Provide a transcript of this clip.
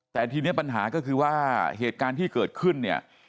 แต่ทีนี้ปัญหาก็คือว่าเหตุการณ์ที่เกิดขึ้นเนี่ย